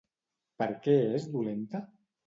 Per què és dolenta?